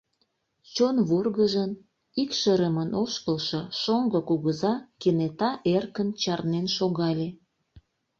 Чон вургыжын, икшырымын ошкылшо шоҥго кугыза кенета эркын чарнен шогале.